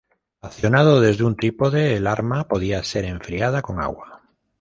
Accionado desde un trípode, el arma podía ser enfriada con agua.